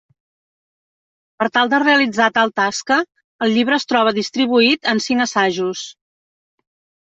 Per tal de realitzar tal tasca, el llibre es troba distribuït en cinc assajos.